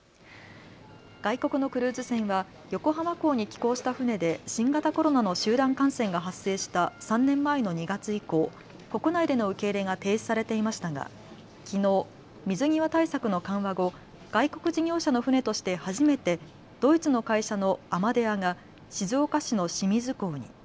外国のクルーズ船は横浜港に寄港した船で新型コロナの集団感染が発生した３年前の２月以降、国内での受け入れが停止されていましたがきのう水際対策の緩和後、外国事業者の船として初めてドイツの会社のアマデアが静岡市の清水港に。